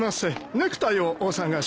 ネクタイをお探しですか？